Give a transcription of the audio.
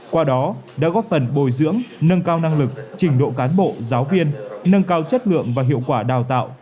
qua đó đã góp phần bồi dưỡng nâng cao năng lực trình độ cán bộ giáo viên nâng cao chất lượng và hiệu quả đào tạo